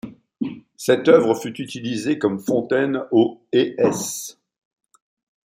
Cette œuvre fut utilisée comme fontaine aux et s.